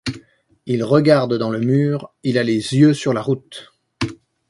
Il regarde dans le mur, il a les yeux sur la route.